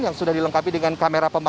yang sudah dilengkapi dengan kamera pemakaman